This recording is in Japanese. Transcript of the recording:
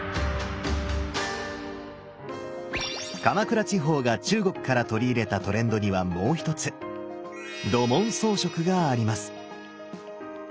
鎌倉地方が中国から取り入れたトレンドにはもう一つ「土紋装飾」があります。